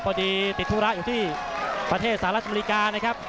พอดีติดธุระอยู่ที่ประเทศสหรัฐอเมริกานะครับ